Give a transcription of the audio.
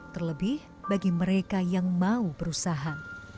terlebih bagi mereka yang mau berusaha